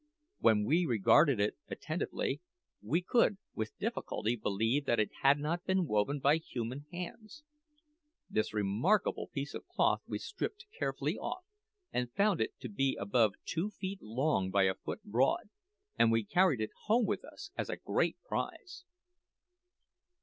When we regarded it attentively, we could with difficulty believe that it had not been woven by human hands. This remarkable piece of cloth we stripped carefully off, and found it to be above two feet long by a foot broad, and we carried it home with us as a great prize.